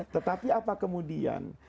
tetapi apa kemudian